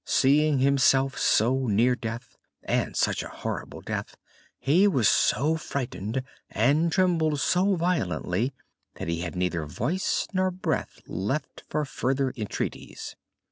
Seeing himself so near death, and such a horrible death, he was so frightened, and trembled so violently, that he had neither voice nor breath left for further entreaties.